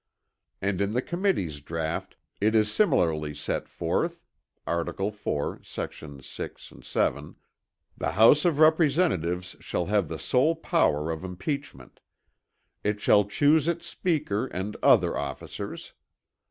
And in the Committee's draught it is similarly set forth (art. IV, sec. 6, 7) "The House of Representatives shall have the sole power of impeachment. It shall choose its speaker and other officers.